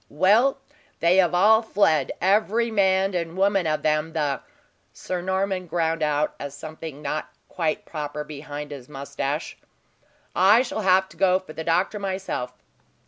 "Well, they have all fled, every man and woman of them, the " Sir Norman ground out something not quite proper, behind his moustache. "I shall have to go for the doctor, myself.